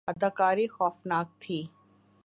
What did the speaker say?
اداکاری خوفناک تھی